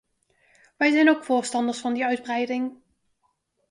Wij zijn ook voorstanders van die uitbreiding.